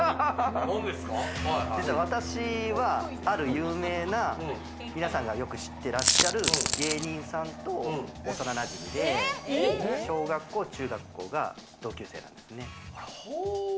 私は、ある有名な、皆さんがよく知ってらっしゃる芸人さんと幼なじみで、小学校、中学校が同級生なんですね。